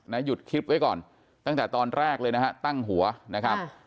หยุดคลิปไว้ก่อนตั้งแต่ตอนแรกเลยนะฮะตั้งหัวนะครับ